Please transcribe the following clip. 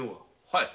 はい。